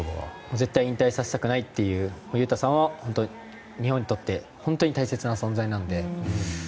絶対引退させたくないという雄太さんは、日本にとって本当に大切な存在なので。